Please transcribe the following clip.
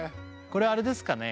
これはあれですかね